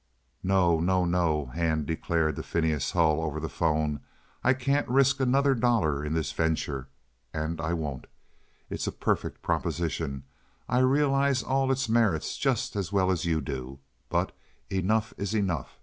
"No, no, no!" Hand declared to Phineas Hull over the 'phone. "I can't risk another dollar in this venture, and I won't! It's a perfect proposition. I realize all its merits just as well as you do. But enough is enough.